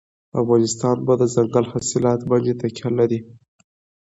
افغانستان په دځنګل حاصلات باندې تکیه لري.